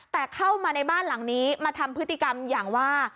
แต่เข้ามาในบ้านหลังนี้มาทำพฤติกรรมอย่างว่า